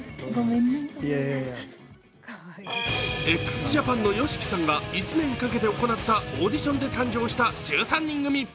ＸＪＡＰＡＮのＹＯＳＨＩＫＩさんが１年かけて行ったオーディションで誕生した１３人組。